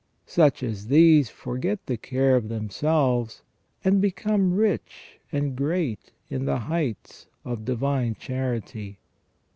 Such as these forget the care of themselves, and become rich and great in the heights of divine charity.